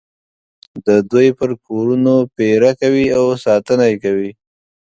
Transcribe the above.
د دوی پر کورونو پېره کوي او ساتنه یې کوي.